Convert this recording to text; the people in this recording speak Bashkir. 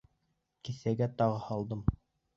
Кеҫәгә тыға һалдым.